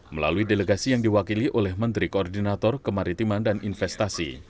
melalui delegasi yang diwakili oleh menteri koordinator kemaritiman dan investasi